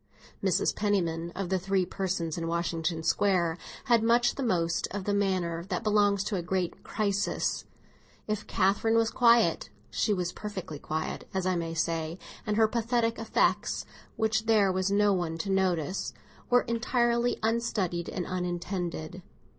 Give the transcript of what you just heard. Mrs. Penniman, of the three persons in Washington Square, had much the most of the manner that belongs to a great crisis. If Catherine was quiet, she was quietly quiet, as I may say, and her pathetic effects, which there was no one to notice, were entirely unstudied and unintended.